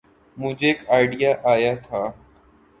مجھے ایک آئڈیا آیا تھا۔